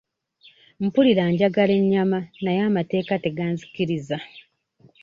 Mpulira njagala ennyama naye amateeka teganzikiriza.